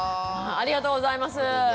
ありがとうございます。